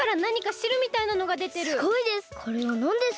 すごいです！